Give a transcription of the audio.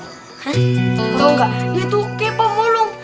gro kaya itu pembulung